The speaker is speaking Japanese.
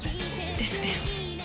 ですです。